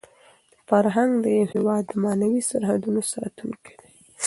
فرهنګ د یو هېواد د معنوي سرحدونو ساتونکی دی.